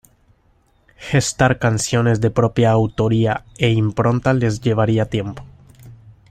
Gestar canciones de propia autoría e impronta les llevaría tiempo.